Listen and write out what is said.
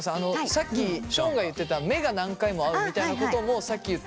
さっきションが言ってた目が何回も合うみたいなこともさっき言った。